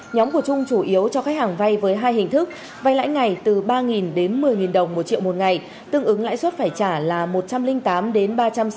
nhóm của trung chủ yếu cho khách hàng vay với hai hình thức vay lãi ngày từ ba đến một mươi đồng một triệu một ngày tương ứng lãi suất phải trả là một trăm linh tám đến ba trăm sáu mươi